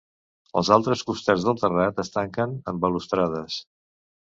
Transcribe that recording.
Els altres costats del terrat es tanquen amb balustrades.